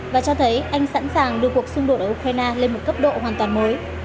và cho thấy anh sẵn sàng đưa cuộc xung đột ở ukraine lên một cấp độ hoàn toàn mới